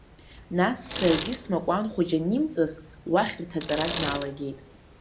Нас саргьы смакәан хәыҷы анимҵаск, уахь рҭаҵара дналагеит.